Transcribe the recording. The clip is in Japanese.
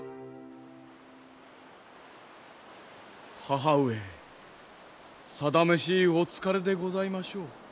母上さだめしお疲れでございましょう。